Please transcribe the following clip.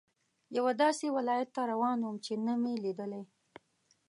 یوه داسې ولایت ته روان وم چې نه مې لیدلی.